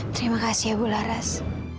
terima kasih ya bu laras